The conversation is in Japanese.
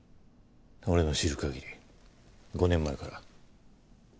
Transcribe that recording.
俺の知る限り５年前から。